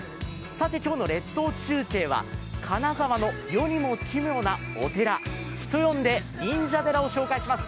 さて今日の列島中継は金沢の世にも奇妙なお寺、人呼んで忍者寺を紹介します。